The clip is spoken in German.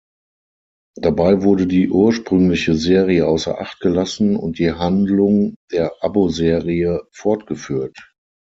Dabei wurde die ursprüngliche Serie außer Acht gelassen und die Handlung der Abo-Serie fortgeführt.